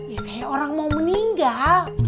ya kayak orang mau meninggal